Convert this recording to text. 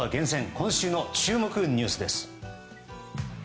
今週の注目ニュースです。